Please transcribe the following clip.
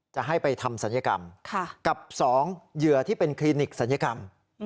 จะให้ไปทำศัลยกรรมกับ๒เหยื่อที่เป็นคลินิกศัลยกรรม